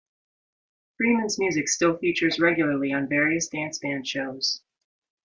Freeman's music still features regularly on various dance band shows.